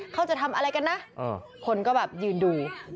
เขาจะทำอะไรกันนะคนก็แบบยืนดู